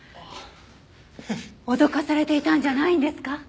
脅かされていたんじゃないんですか？